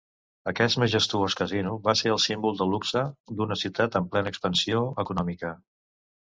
Aquest majestuós casino va ser el símbol del luxe d'una ciutat en plena expansió econòmica.